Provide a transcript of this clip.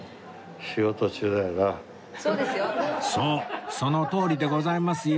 そうそのとおりでございますよ